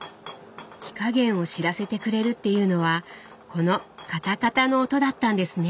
火加減を知らせてくれるっていうのはこの「カタカタ」の音だったんですね。